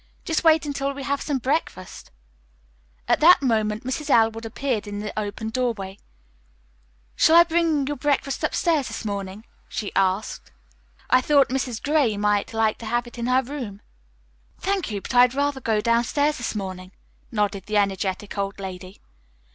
"Just wait until we have some breakfast." At that moment Mrs. Elwood appeared in the open doorway. "Shall I bring your breakfast upstairs this morning?" she asked. "I thought Mrs. Gray might like to have it in her room." "Thank you, but I'd rather go downstairs this morning," nodded the energetic old lady.